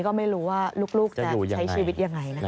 ก็ไม่รู้ว่าลูกจะใช้ชีวิตยังไงนะคะ